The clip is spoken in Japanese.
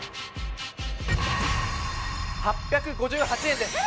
８５８円です。